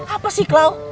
apa sih klau